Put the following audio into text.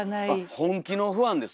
本気のファンです。